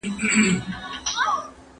تاسو د خپل ګاونډي له حاله خبر یاست؟